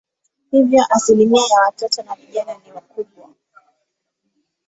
Hivyo asilimia ya watoto na vijana ni kubwa.